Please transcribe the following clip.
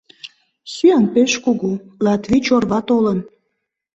Сӱан пеш кугу, латвич орва толын...